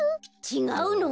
ちがうの？